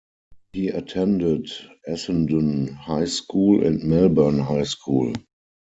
He attended Essendon High School and Melbourne High School.